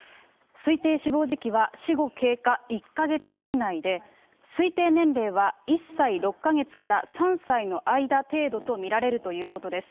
推定死亡時期は死後経過１か月以内で、推定年齢は１歳６か月から３歳の間程度と見られるということです。